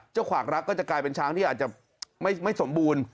ขวากรักก็จะกลายเป็นช้างที่อาจจะไม่สมบูรณ์